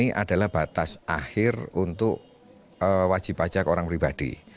ini adalah batas akhir untuk wajib pajak orang pribadi